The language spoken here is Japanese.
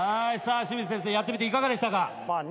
清水先生やってみていかがでしたか？